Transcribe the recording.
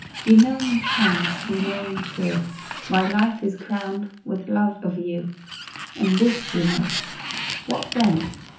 You know me fond ; you know me true ; My life is crowned with love of you, And this you know. What then